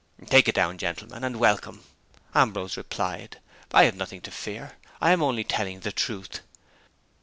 "Take it down, gentlemen, and welcome," Ambrose replied. "I have nothing to fear; I am only telling the truth."